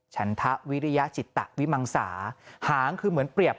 ฉันทะวิริยจิตวิมังสาหางคือเหมือนเปรียบ